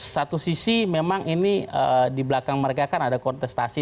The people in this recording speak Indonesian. satu sisi memang ini di belakang mereka kan ada kontestasi